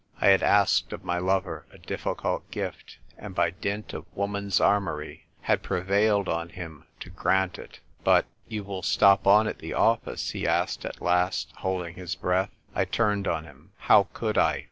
I had asked of my lover a difficult gift, and by dint of woman's armoury, had prevailed on him to grant it. "But — you will stop on at the office ?" he asked at last, holding his breath. I turned on him. " How could I ?